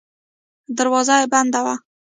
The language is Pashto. دروازه یې بنده وه.